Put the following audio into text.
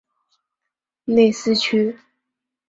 内斯屈。